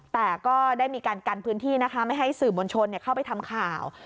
แต่ก็ได้มีการกันพื้นที่นะคะไม่ให้สื่อมวลชนเข้าไปทำข่าว